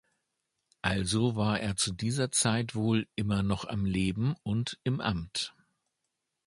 Also war er zu dieser Zeit wohl immer noch am Leben und im Amt.